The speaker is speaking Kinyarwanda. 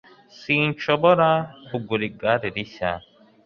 Sinshobora kugura igare rishya